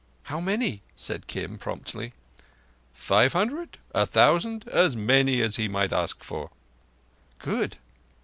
"How many?" said Kim promptly. "Five hundred—a thousand—as many as he might ask for." "Good.